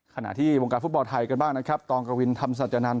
ขณะที่วงการฟุตบอลไทยกันบ้างนะครับตองกวินธรรมสัจจนันท